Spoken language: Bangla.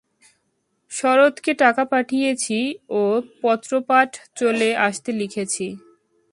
শরৎকে টাকা পাঠিয়েছি ও পত্রপাঠ চলে আসতে লিখেছি।